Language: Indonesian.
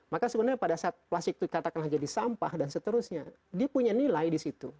maka sebenarnya pada saat plastik itu katakanlah jadi sampah dan seterusnya dia punya nilai di situ